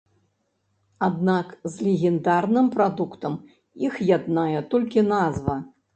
Аднак з легендарным прадуктам іх яднае толькі назва.